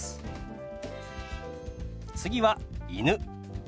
次は「犬」。